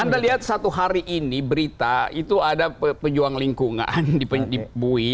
anda lihat satu hari ini berita itu ada pejuang lingkungan di bui